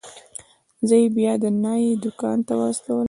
زه يې بيا د نايي دوکان ته واستولم.